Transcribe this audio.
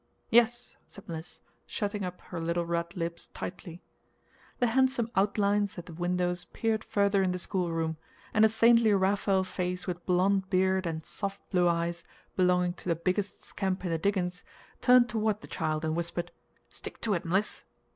"Yes," said Mliss, shutting up her little red lips tightly. The handsome outlines at the windows peered further in the schoolroom, and a saintly Raphael face, with blond beard and soft blue eyes, belonging to the biggest scamp in the diggings, turned toward the child and whispered, "Stick to it, Mliss!"